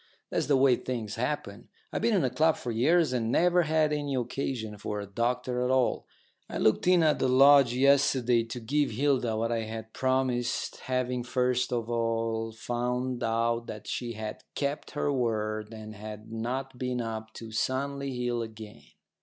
That's the way things happen. I've been in a club for years, and never had any occasion for a doctor at all. I looked in at the lodge yesterday to give Hilda what I had promised, having first of all found out that she had kept her word and had not been up to Sunley Hill again.